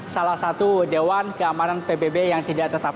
salah satu dewan keamanan pbb yang tidak tetap